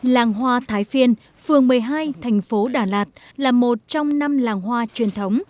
làng hoa thái phiên phường một mươi hai thành phố đà lạt là một trong năm làng hoa truyền thống